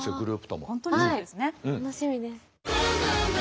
はい楽しみです。